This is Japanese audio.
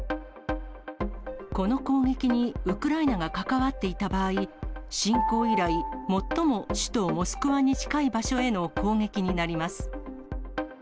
この攻撃にウクライナが関わっていた場合、侵攻以来、最も首都モスクワに近い場所への攻撃になります。